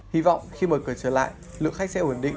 hy vọng khi mở cửa trở lại lượng khách sẽ ổn định